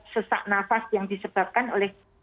sesak nafas yang disebabkan oleh